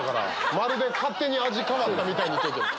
まるで勝手に味変わったみたいに言ってるけど。